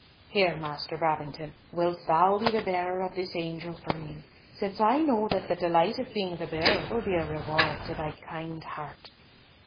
Here, Master Babington, wilt thou be the bearer of this angel for me, since I know that the delight of being the bearer will be a reward to thy kind heart."